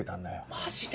マジで？